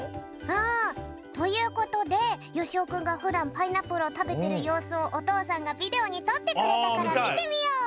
うん。ということでよしおくんがふだんパイナップルをたべてるようすをおとうさんがビデオにとってくれたからみてみよう！